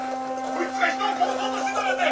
こいつが人を殺そうとしてたなんて！